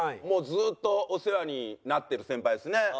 もうずっとお世話になってる先輩ですね。